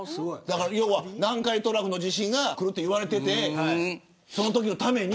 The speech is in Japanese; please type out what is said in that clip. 南海トラフの地震が来るって言われててそのときのために。